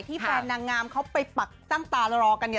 แฟนนางงามเขาไปปักตั้งตารอกันเนี่ย